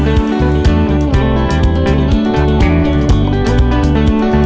tidak kerugi bangun pagi di pulau bawah